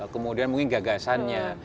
kemudian mungkin gagasannya